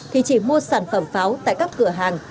thì chỉ mua sản phẩm pháo tại các cửa hàng